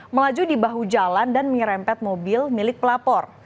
melaju di bahu jalan dan menyerempet mobil milik pelapor